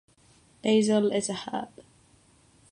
Basil is a herb.